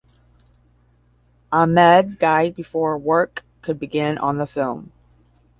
Ahmed died before work could begin on the film.